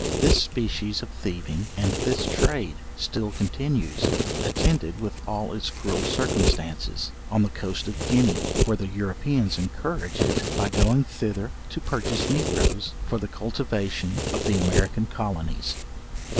This species of thieving, and this trade, still continues, attended with all its cruel circumstances, on the coast of Guinea, where the Europeans encourage it by going thither to purchase negroes for the cultivation of their American colonies.